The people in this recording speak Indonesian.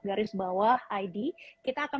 garis bawah id kita akan